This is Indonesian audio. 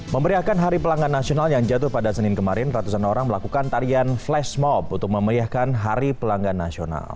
memberiakan hari pelanggan nasional yang jatuh pada senin kemarin ratusan orang melakukan tarian flash mob untuk memeriahkan hari pelanggan nasional